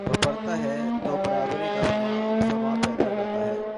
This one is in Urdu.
، بپھر تا ہے تو بربادی کا ساماں پیدا کرتا ہے ۔